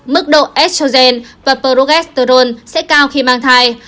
mức độ estrogen và progesterone sẽ cao khi mang thai